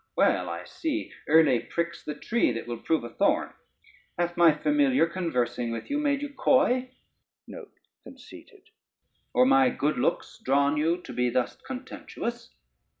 well I see early pricks the tree that will prove a thorn: hath my familiar conversing with you made you coy, or my good looks drawn you to be thus contemptuous?